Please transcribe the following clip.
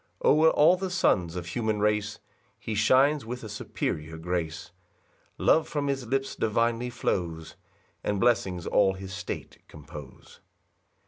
2 O'er all the sons of human race He shines with a superior grace, Love from his lips divinely flows, And blessings all his state compose.